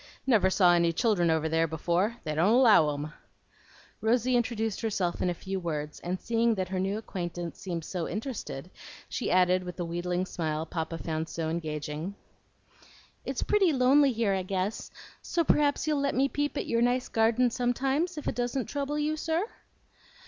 Never saw any children over there before. They don't allow 'em." Rosy introduced herself in a few words, and seeing that her new acquaintance seemed interested, she added with the wheedling smile Papa found so engaging, "It's pretty lonely here, I guess; so p'r'aps you'll let me peep at your nice garden sometimes if it doesn't trouble you, sir?"